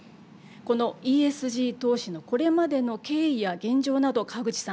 このＥＳＧ投資のこれまでの経緯や現状など河口さん